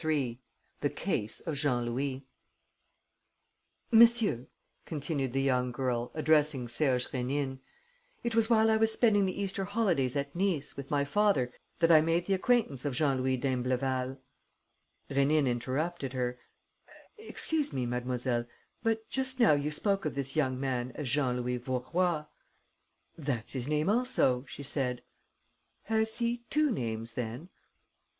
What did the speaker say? III THE CASE OF JEAN LOUIS "Monsieur," continued the young girl, addressing Serge Rénine, "it was while I was spending the Easter holidays at Nice with my father that I made the acquaintance of Jean Louis d'Imbleval...." Rénine interrupted her: "Excuse me, mademoiselle, but just now you spoke of this young man as Jean Louis Vaurois." "That's his name also," she said. "Has he two names then?"